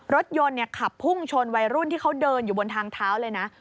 รถยนต์ขับพุ่งชนวัยรุ่นที่เขาเดินอยู่บนทางเท้าเลยนะ